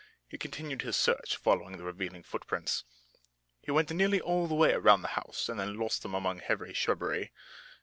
He continued his search, following the revealing foot prints. He went nearly all the way around the house and then lost them among heavy shrubbery.